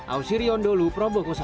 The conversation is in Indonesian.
ausirion dulu probok usaha